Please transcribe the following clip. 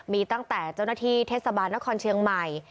มีตั้งแต่เจ้าหน้าที่เทศบาลนครเชียงใหม่